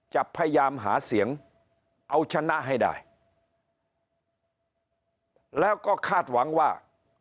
จะพยายามหาเสียงเอาชนะให้ได้แล้วก็คาดหวังว่า